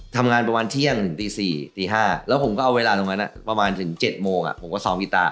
ประมาณเที่ยงถึงตี๔ตี๕แล้วผมก็เอาเวลาตรงนั้นประมาณถึง๗โมงผมก็ซ้อมกีตา